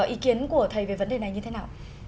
ý kiến của thầy về vấn đề này như thế nào